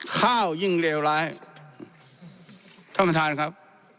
ข้าวยิ่งเลวร้ายท่านประธานครับ